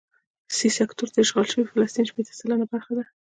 سي سیکټور د اشغال شوي فلسطین شپېته سلنه برخه ده.